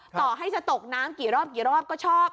ต่อให้จะตกน้ำกี่รอบกี่รอบก็ชอบ